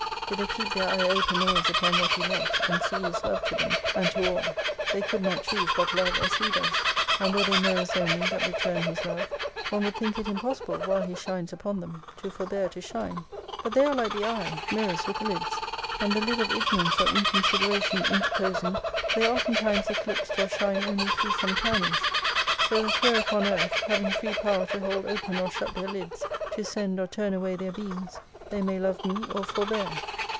Did they keep their eye open always upon what He loves, and see His love to them, and to all, they could not choose but love as He does. And were they mirrors only that return His love, one would think it impossible, while He shines upon them, to forbear to shine, but they are hke the eye, mirrors with lids, and the lid of ignorance or inconsideration interposing, they are oftentimes eclipsed or shine only through some crannies ; so that here upon earth having free power to hold open or shut their lids, to send or turn away their beams, they may love me or forbear.